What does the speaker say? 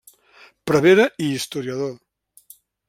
Prevere i historiador.